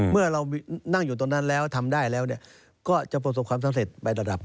เมื่อเรานั่งอยู่ตรงนั้นแล้วทำได้แล้วก็จะประสบความสำเร็จไประดับ